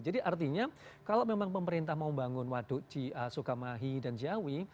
jadi artinya kalau memang pemerintah mau bangun waduk soekarno mahi dan jawi